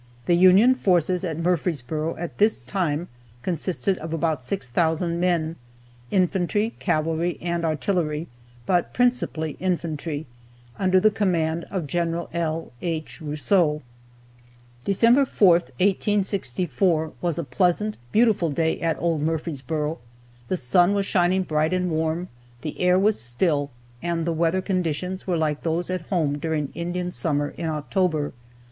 The Union forces at Murfreesboro at this time consisted of about 6,000 men, infantry, cavalry, and artillery, (but principally infantry,) under the command of Gen L. H. Rousseau. December 4th, 1864, was a pleasant, beautiful day at old Murfreesboro. The sun was shining bright and warm, the air was still, and the weather conditions were like those at home during Indian summer in October.